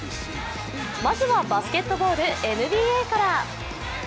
まずはバスケットボールＮＢＡから。